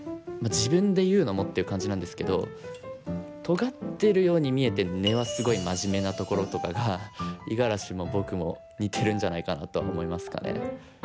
自分で言うのもっていう感じなんですけどとがってるように見えて根はすごいマジメなところとかが五十嵐も僕も似てるんじゃないかなとは思いますかね。